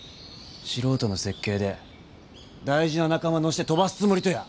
素人の設計で大事な仲間乗して飛ばすつもりとや？